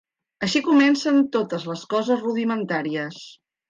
Així comencen totes les coses rudimentàries.